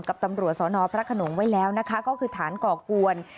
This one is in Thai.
กับตำรวจสนพระขนงไว้แล้วนะคะก็คือฐานก่อกวน